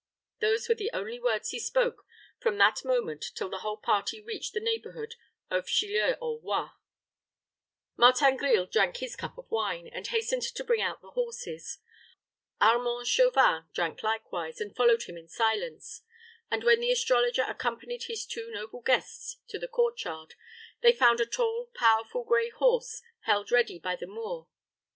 Those were the only words he spoke from that moment till the whole party reached the neighborhood of Chilleurs aux Rois. Martin Grille drank his cup of wine, and hastened to bring out the horses. Armand Chauvin drank likewise, and followed him in silence, and when the astrologer accompanied his two noble guests to the court yard, they found a tall, powerful gray horse held ready by the Moor.